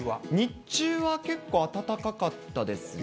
日中は結構暖かかったですね。